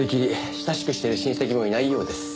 親しくしてる親戚もいないようです。